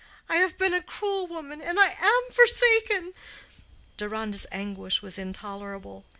I have been a cruel woman. And I am forsaken." Deronda's anguish was intolerable.